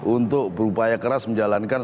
untuk berupaya keras menjalankan